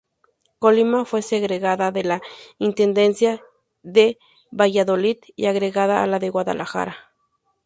Colima fue segregada de la Intendencia de Valladolid y agregada a la de Guadalajara.